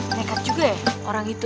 nekat juga ya orang itu